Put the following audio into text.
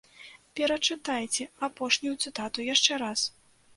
Перачытайце апошнюю цытату яшчэ раз.